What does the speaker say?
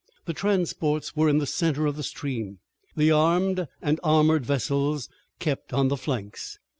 The transports were in the center of the stream. The armed and armored vessels kept on the flanks.